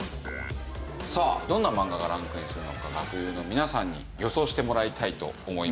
どんな漫画がランクインするのか学友の皆さんに予想してもらいたいと思います。